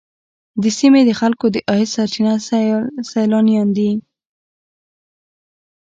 د سیمې د خلکو د عاید سرچینه سیلانیان دي.